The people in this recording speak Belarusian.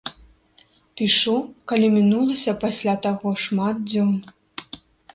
Пішу, калі мінулася пасля таго шмат дзён.